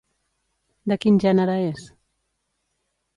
De quin gènere és?